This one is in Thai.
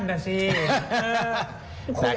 นั่นแหละสิ